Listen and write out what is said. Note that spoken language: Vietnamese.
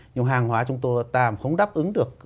nhưng mà hàng hóa chúng ta không đáp ứng được